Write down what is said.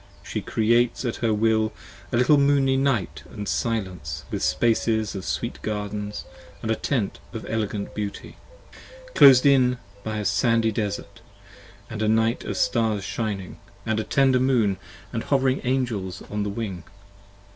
She Creates at her will a little moony night & silence 20 With Spaces of sweet gardens & a tent of elegant beauty : Closed in by a sandy desart & a night of stars shining, And a little tender moon & hovering angels on the wing.